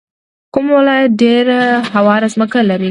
کوم ولایت ډیره هواره ځمکه لري؟